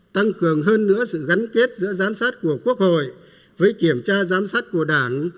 tăng cường hơn nữa sự gắn kết giữa giám sát của quốc hội với kiểm tra giám sát của đảng